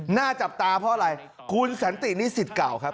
หน้าจับตาเพราะอะไรคุณสันตินิสิตเก่าครับ